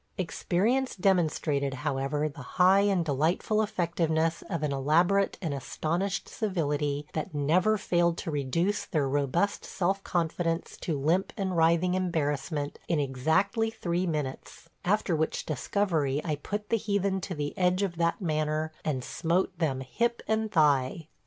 Experience demonstrated, however, the high and delightful effectiveness of an elaborate and astonished civility, that never failed to reduce their robust self confidence to limp and writhing embarrassment in exactly three minutes, after which discovery I put the heathen to the edge of that manner and smote them hip and thigh.